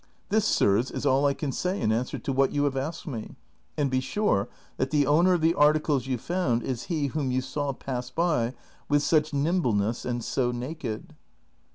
This, sirs, is all I can say in answer to what you have asked me ; and be sure that the owner of the articles you found is he whom you saw pass by with such nimbleness and so naked."